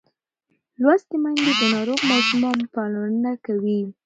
لوستې میندې د ناروغ ماشوم پاملرنه کوي.